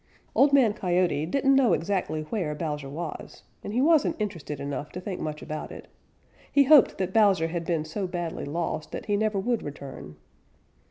Old Man Coyote didn't know exactly where Bowser was, and he wasn't interested enough to think much about it. He hoped that Bowser had been so badly lost that he never would return.